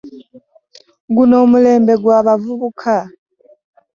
Guno omulembe gwa bavubuka.